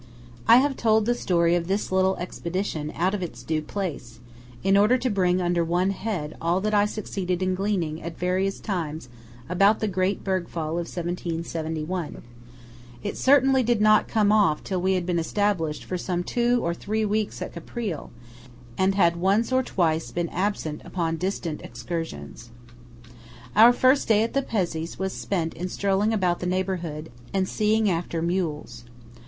I have told the story of this little expedition out of its due place, in order to bring under one head all that I succeeded in gleaning at various times about the great bergfall of 1771. It certainly did not come off till we had been established for some two or three weeks at Caprile, and had once or twice been absent upon distant excursions. Our first day at the Pezzé's was spent in strolling about the neighbourhood, and seeing after mules.